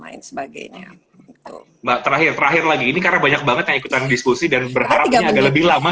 lain sebagainya terakhir dari ini karena banyak banget ya ikutan diskusi dan berharap lebih lama